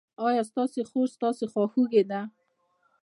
ایا ستاسو خور ستاسو خواخوږې ده؟